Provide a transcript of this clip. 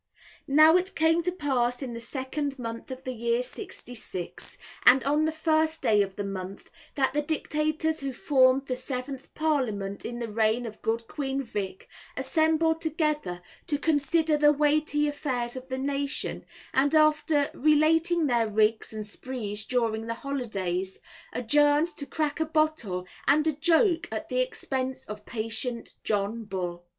Now it came to pass in the second month of the year '66, and on the first day of the month, that the Dictators who formed the seventh Parliament in the reign of Good Queen Vic, assembled together to consider the weighty affairs of the nation, and after relating their rigs and sprees during the holidays, adjourned to crack a bottle and a joke at the expense of patient John Bull.